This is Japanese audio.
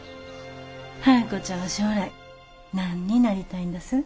春子ちゃんは将来何になりたいんだす？